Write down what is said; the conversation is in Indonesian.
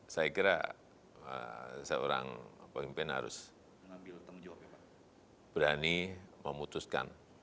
saya kira seorang pemimpin harus berani memutuskan